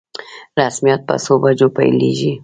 رسميات په څو بجو پیلیږي؟